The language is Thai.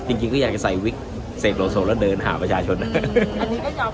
จริงจริงก็อยากจะใส่วิกเสกโลโซแล้วเดินหาประชาชนอันนี้ก็ยอมรับได้ใช่ไหม